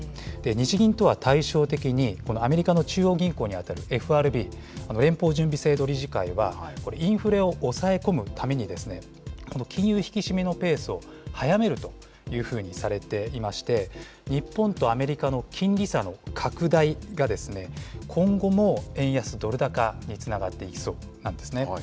日銀とは対照的に、アメリカの中央銀行に当たる、ＦＲＢ・連邦準備制度理事会は、これ、インフレを抑え込むために、金融引き締めのペースを速めるというふうにされていまして、日本とアメリカの金利差の拡大が、今後も円安ドル高につながっていきそうなんですね。